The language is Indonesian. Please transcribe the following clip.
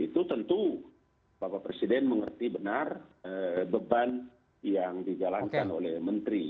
itu tentu bapak presiden mengerti benar beban yang dijalankan oleh menteri